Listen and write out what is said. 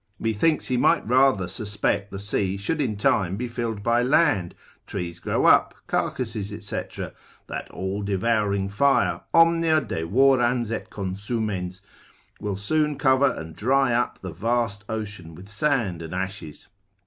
Methinks he might rather suspect the sea should in time be filled by land, trees grow up, carcasses, &c. that all devouring fire, omnia devorans et consumens, will sooner cover and dry up the vast ocean with sand and ashes.